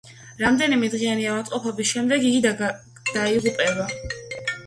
რამდენიმე დღიანი ავადმყოფობის შემდეგ, იგი დაიღუპება.